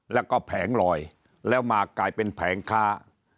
แล้วก็แผงลอยแล้วมากลายเป็นแผงค้า